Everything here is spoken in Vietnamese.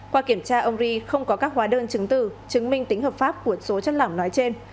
qua kiểm tra ông ri không có các hóa đơn chứng tử chứng minh tính hợp pháp của số chất lỏng nói trên